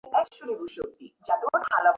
দেহনাশে এই অনাদি অনন্ত সনাতন আত্মা নষ্ট হন না।